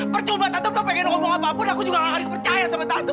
percuma tante kamu pengen ngomong apa pun aku juga gak akan percaya sama tante